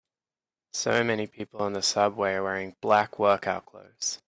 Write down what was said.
So many people on the subway are wearing black workout clothes.